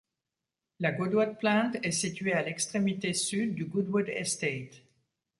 La Goodwood plant est située à l'extrémité sud du Goodwood Estate.